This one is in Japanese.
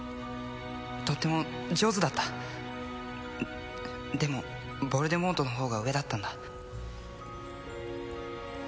とっても上手だったでもヴォルデモートのほうが上だったんだ